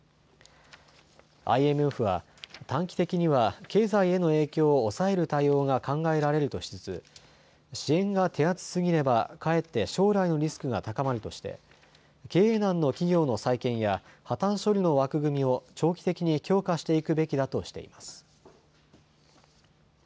ＩＭＦは短期的には経済への影響を抑える対応が考えられるとしつつ支援が手厚すぎればかえって将来のリスクが高まるとして経営難の企業の再建や破綻処理の枠組みを長期的に強化していくべきだとしています。